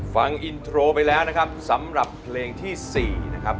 ฟังอินโทรไปแล้วนะครับสำหรับเพลงที่๔นะครับ